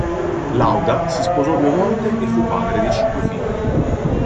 Lauda si sposò due volte e fu padre di cinque figli.